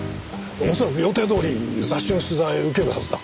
おそらく予定どおり雑誌の取材を受けるはずだ。